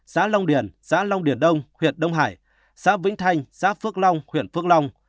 xã long điền xã long điền đông huyện đông hải xã vĩnh thanh xã phước long huyện phước long